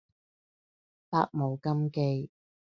百無禁忌